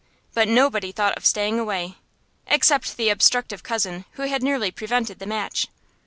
But nobody thought of staying away except the obstructive cousin who had nearly prevented the match.